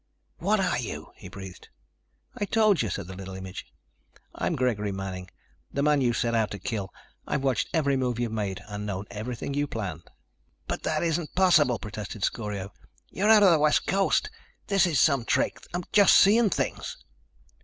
"What are you?" he breathed. "I told you," said the little image. "I'm Gregory Manning. The man you set out to kill. I've watched every move you've made and known everything you planned." "But that isn't possible," protested Scorio. "You're out on the West Coast. This is some trick. I'm just seeing things."